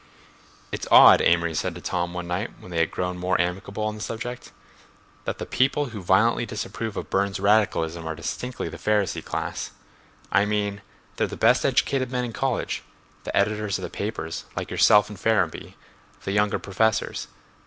"It's odd," Amory said to Tom one night when they had grown more amicable on the subject, "that the people who violently disapprove of Burne's radicalism are distinctly the Pharisee class—I mean they're the best educated men in college—the editors of the papers, like yourself and Ferrenby, the younger professors....